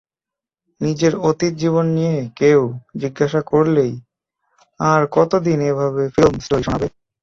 নিজের অতীত জীবন নিয়ে কেউ জিজ্ঞাসা করলেই আর কতদিন এভাবে ফিল্ম স্টোরি শোনাবে?